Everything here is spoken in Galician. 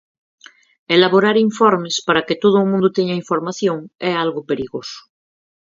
Elaborar informes para que todo o mundo teña información é algo perigoso.